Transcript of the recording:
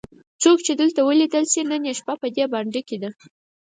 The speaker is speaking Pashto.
څوک چې دلته ولیدل شي نن یې شپه په دې بانډه کې ده.